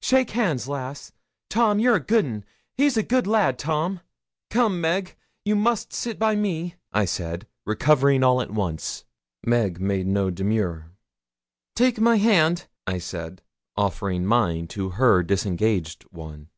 'Shake hands, lass. Tom, yer a good un! He's a good lad, Tom.' 'Come in, Meg you must sit by me,' I said, recovering all at once. Meg made no demur. 'Take my hand,' I said offering mine to her disengaged one.